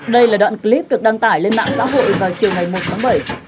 đây là đoạn clip được đăng tải lên mạng xã hội vào chiều ngày một tháng bảy